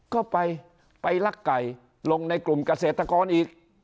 ก็ไปลักไก่ลงในกลุ่มเกษตรกรอีก